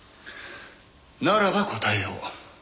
ならば答えよう。